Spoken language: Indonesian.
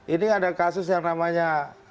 ini ada kasus yang namanya